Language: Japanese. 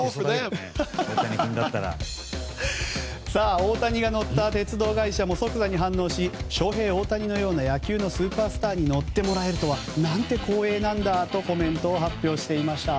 大谷が乗った鉄道会社も即座に反応しショウヘイ・オオタニのような野球のスーパースター乗ってもらえるとは何て光栄なんだとコメントを発表していました。